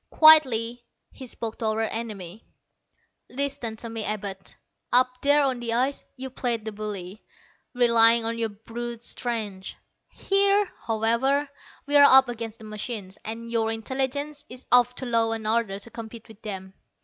Quietly he spoke to our enemy. "Listen to me, Abud. Up there on the ice, you played the bully, relying on your brute strength. Here, however, we're up against the machines, and your intelligence is of too low an order to compete with them.